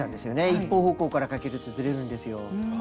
一方方向からかけるとずれるんですよ。